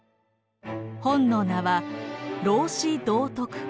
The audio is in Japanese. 本の名は「老子道徳経」。